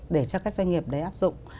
để cho các doanh nghiệp đấy áp dụng